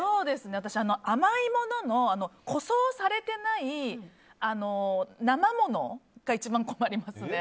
私、甘いものの個装されてない生ものが一番困りますね。